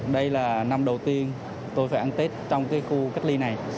đây là năm đầu tiên tôi phải ăn tết trong khu cách ly này